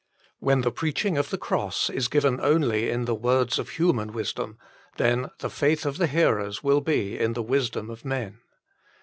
When the preaching of the Cross is given only in the words of human wisdom, then the faith of the hearers will be in the wisdom of men.